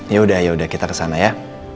yaudah yaudah kita kesana ya